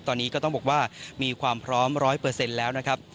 ตอนนี้ก็ต้องบอกว่ามีความพร้อม๑๐๐แล้วนะครับ